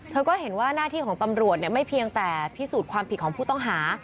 เธอก็เห็นว่าหน้าที่ของตำรวจไม่เพียงแต่พิสูจน์ความผิดของผู้ต้องหา